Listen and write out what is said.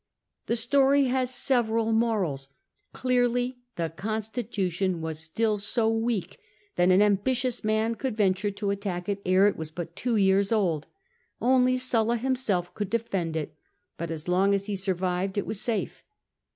The story has several morals; clearly the con stitution was still so weak that an ambitious man could venture to attack it ere it was two years old ; only Sulla himself could defend it, but as long as he survived it was safe.